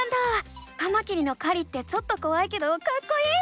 カマキリの狩りってちょっとこわいけどかっこいい！